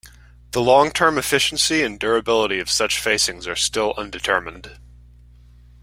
The long-term efficiency and durability of such facings are still undetermined.